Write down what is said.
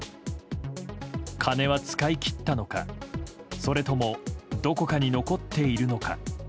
金は使い切ったのかそれともどこかに残っているのか。